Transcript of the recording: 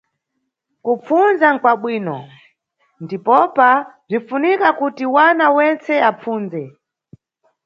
Kupfundza nʼkwabwino, ndipopa bzinʼfunika kuti wana wentse apfundze